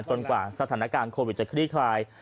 กว่าสถานการณ์โควิดจะคลี่คลาย